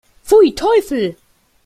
Pfui, Teufel!